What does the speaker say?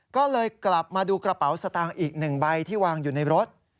ก็เลยกลับมาดูกระเป๋าสตางค์อีก๑ใบที่วางอยู่ในรถ